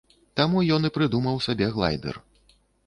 Таму ён і прыдумаў сабе глайдэр.